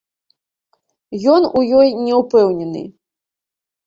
Ён у ёй не ўпэўнены.